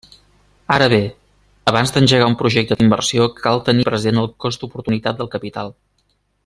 Ara bé, abans d'engegar un projecte d'inversió cal tenir present el cost d'oportunitat del capital.